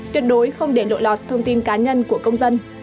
tuyệt đối không để lộ lọt thông tin cá nhân của công dân